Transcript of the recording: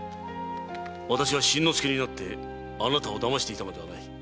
私は新之助になってあなたを騙していたのではない。